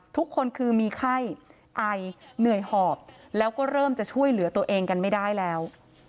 ทุกคนคือมีไข้ไอเหนื่อยหอบแล้วก็เริ่มจะช่วยเหลือตัวเองกันไม่ได้แล้ว